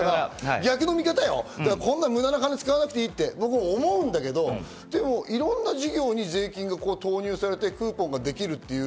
逆の見方よ、こんな無駄な金使わなくていいって僕も思うんだけど、いろんな事業に税金が投入されてクーポンができるっていう。